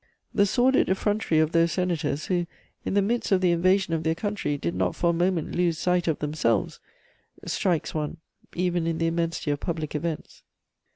The sordid effrontery of those senators, who, in the midst of the invasion of their country, did not for a moment lose sight of themselves, strikes one even in the immensity of public events.